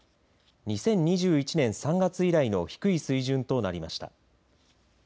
２０２１年３月以来の低い水準となりました。